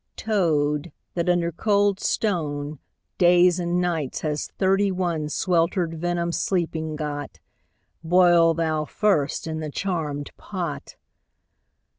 — Toad, that under cold stone Days and nights has thirty one Swelter'd venom sleeping got, Boil thou first i' th' charmed pot!